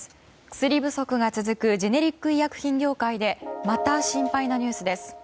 薬不足が続くジェネリック医薬品業界でまた、心配なニュースです。